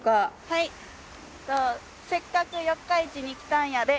はい「せっかく四日市にきたんやで」